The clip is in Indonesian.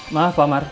maaf pak amar